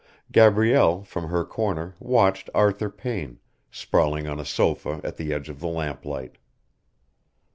Gabrielle from her corner watched Arthur Payne, sprawling on a sofa at the edge of the lamp light.